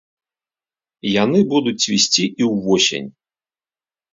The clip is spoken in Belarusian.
Яны будуць цвісці і ўвосень.